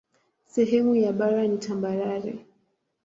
Sehemu ya bara ni tambarare.